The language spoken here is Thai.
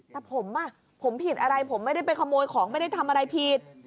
แต่ผมผมผิดอะไรผมไม่ได้ไปขโมยของไม่ได้ทำอะไรผิด